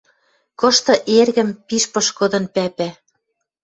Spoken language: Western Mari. Кышты эргӹм пиш пышкыдын пӓпӓ